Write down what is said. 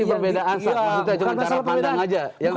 ini perbedaan maksudnya cuma cara pandang aja